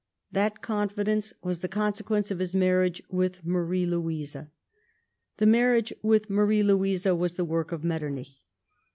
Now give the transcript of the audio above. That confidence was the consequence of his marriage with ]\rarie Louise. The marriage with Marie Louise was the work of Metter nich.